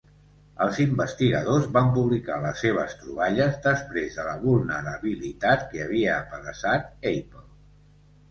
Els investigadors van publicar les seves troballes després de la vulnerabilitat que havia apedaçat Apple.